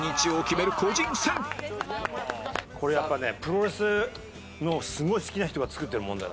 これやっぱねプロレスのすごい好きな人が作ってる問題だ。